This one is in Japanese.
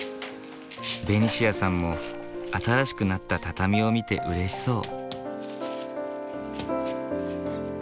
ベニシアさんも新しくなった畳を見てうれしそう。